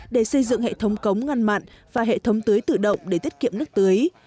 để xây dựng hệ thống cống ngăn mặn và hệ thống tưới tự động để tiết kiệm nước tưới